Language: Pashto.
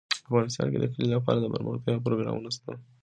افغانستان کې د کلي لپاره دپرمختیا پروګرامونه شته.